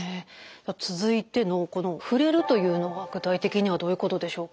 続いてのこの触れるというのは具体的にはどういうことでしょうか？